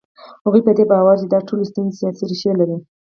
هغوی په دې باور دي چې دا ټولې ستونزې سیاسي ریښې لري.